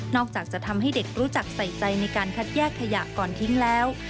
อกจากจะทำให้เด็กรู้จักใส่ใจในการคัดแยกขยะก่อนทิ้งแล้ว